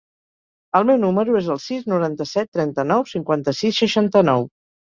El meu número es el sis, noranta-set, trenta-nou, cinquanta-sis, seixanta-nou.